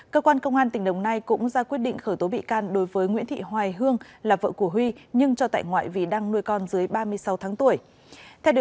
cơ quan công an tỉnh đồng nai cũng ra quyết định khởi tố bị can đối với nguyễn thị hoài hương là vợ của huy nhưng cho tại ngoại vì đang nuôi con dưới ba mươi sáu tháng tuổi